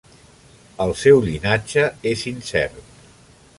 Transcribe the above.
El seu llinatge és incert.